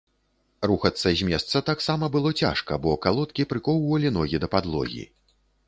Рухацца з месца таксама было цяжка, бо калодкі прыкоўвалі ногі да падлогі.